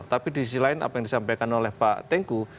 tapi di sisi lain apa yang disampaikan oleh pak tengku